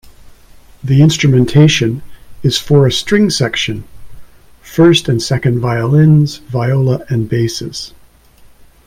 The instrumentation is for a string section: first and second violins, viola, and basses.